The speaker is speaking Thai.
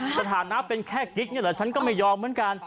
สถานะเป็นแค่กิ๊กนี่แหละฉันก็ไม่ยอมเหมือนกัน